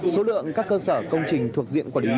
số lượng các cơ sở công trình thuộc diện quản lý